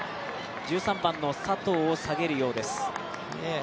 １３番の佐藤を下げるようです。